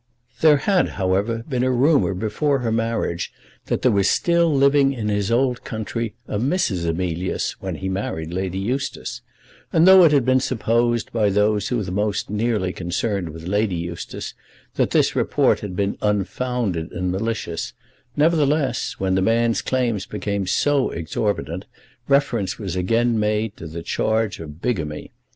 There had, however, been a rumour before her marriage that there was still living in his old country a Mrs. Emilius when he married Lady Eustace; and, though it had been supposed by those who were most nearly concerned with Lady Eustace that this report had been unfounded and malicious, nevertheless, when the man's claims became so exorbitant, reference was again made to the charge of bigamy.